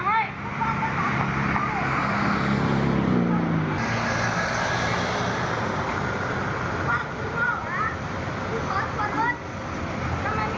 ไหน